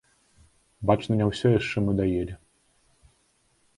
Бачна, не ўсё яшчэ мы даелі.